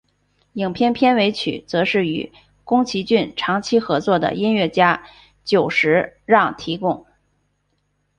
影片片尾曲则是与宫崎骏长期合作的音乐家久石让提供。